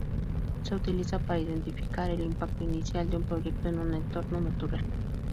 Se utiliza para identificar el impacto inicial de un proyecto en un entorno natural.